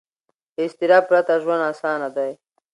له اضطراب پرته ژوند اسانه دی.